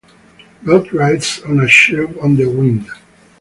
God rides on a cherub on the wind.